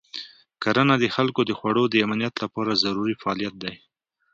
کرنه د خلکو د خوړو د امنیت لپاره ضروري فعالیت دی.